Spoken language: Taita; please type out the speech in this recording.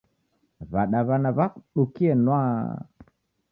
W'adawana w'akudukie nwaa!